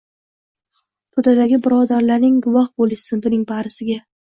To‘dadagi birodarlaring guvoh bo‘lishsin buning barisiga…